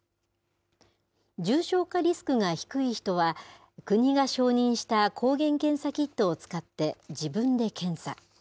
重症化リスクが低い人は、国が承認した抗原検査キットを使って自分で検査。